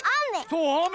そうあめ。